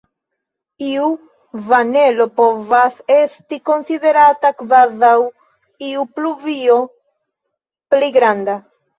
Iu vanelo povas esti konsiderata kvazaŭ iu pluvio pli granda.